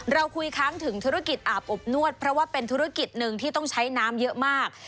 เราคุยค้างถึงธุรกิจอาบอบนวดเพราะว่าเป็นธุรกิจหนึ่งที่ต้องใช้น้ำเยอะมาก